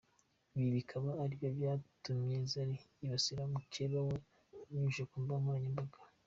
Ibi bikaba aribyo byatuye Zari yibasira mukeba we abinyujije ku mbuga nkoranyambaga.